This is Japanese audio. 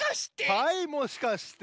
はいもしかして！